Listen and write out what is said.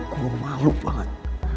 gue malu banget